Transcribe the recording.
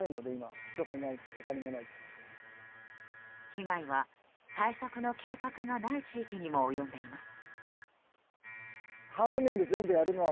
被害は対策の計画がない地域にも及んでいます。